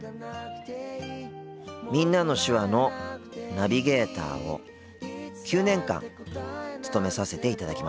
「みんなの手話」のナビゲーターを９年間務めさせていただきました。